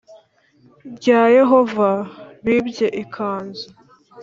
rya yehova. bibye ikanzu